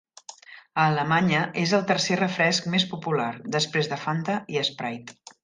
A Alemanya, és el tercer refresc més popular, després de Fanta i Sprite.